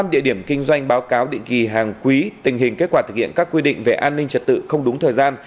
một mươi địa điểm kinh doanh báo cáo định kỳ hàng quý tình hình kết quả thực hiện các quy định về an ninh trật tự không đúng thời gian